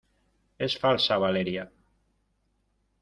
es falsa. Valeria .